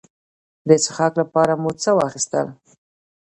د څښاک لپاره مو څه واخیستل.